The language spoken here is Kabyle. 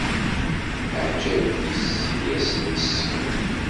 Leɛǧayeb-is i asen-issken.